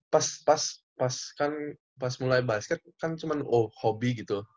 pas pas pas kan pas mulai basket kan cuman oh hobi gitu